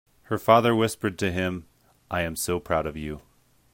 Her father whispered to him, "I am so proud of you!"